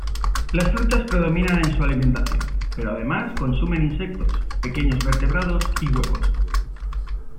Las frutas predominan en su alimentación, pero además consumen insectos, pequeños vertebrados y huevos.